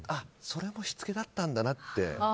それもしつけだったんだなって。